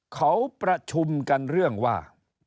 เขาประชุมกันเรื่องว่า